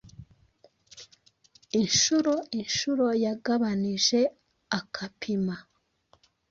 Inshuro inshuro yagabanije akapima